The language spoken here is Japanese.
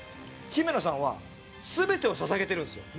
姫野さんは全てを捧げてるんですよ。